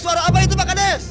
suara apa itu pak kades